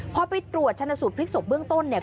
พอไปตรวจชนสูตรพลิกศพเบื้องต้นเนี่ย